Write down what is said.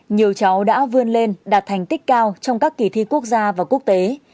nhiều cháu đã vươn lên đạt thành tích cao trong các kỳ thi quốc gia và quốc tế